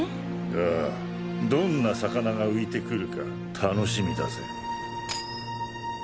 ああどんなサカナが浮いてくるか楽しみだぜ。